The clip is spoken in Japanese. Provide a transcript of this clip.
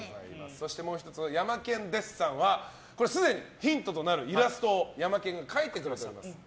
そしてもう１つのヤマケン・デッサンはすでにヒントとなるイラストをヤマケンが描いてくれています。